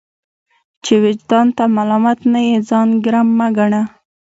چي وجدان ته ملامت نه يې ځان ګرم مه ګڼه!